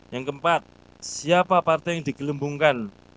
yang keempat siapa partai yang digelembungkan